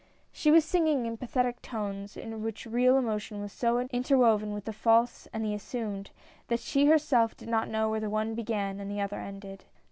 She was singing in pathetic tones, in which real emotion was so interwoven with the false and the assumed, that she herself did not know where the one began or the other ended.